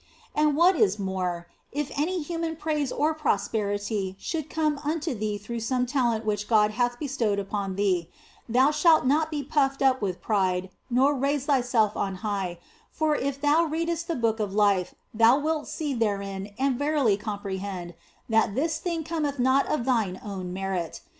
And what is more, if any human praise or prosperity should come unto thee through some talent which God hath bestowed upon thee, thou shalt not be puffed up with pride nor raise thyself on high, for if thou readest the Book of Life thou wilt see therein and verily comprehend that this thing cometh not of thine own merit.